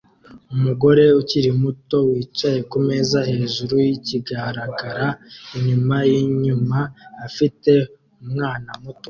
Umugore ukiri muto wicaye kumeza hejuru yikigaragara inyuma yinyuma afite umwana muto